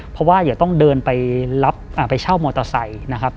เพราะว่าอย่าต้องเดินไปรับไปเช่ามอเตอร์ไซค์นะครับ